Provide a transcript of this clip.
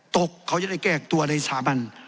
ตกเขาจะได้แก้ตัวในสามัญ